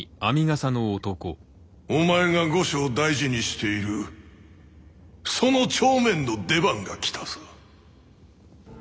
お前が後生大事にしているその帳面の出番が来たぞ。